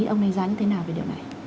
ông này giá như thế nào về điều này